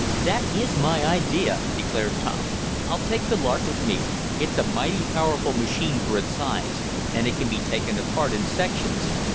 "That is my idea," declared Tom. "I'll take the Lark with me. That's a mighty powerful machine for its size, and it can be taken apart in sections.